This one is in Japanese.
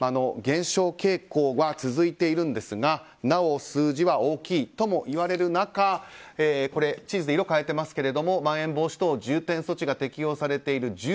減少傾向は続いているんですがなお数字は大きいともいわれる中地図で色を変えていますがまん延防止等重点措置が適用されている１８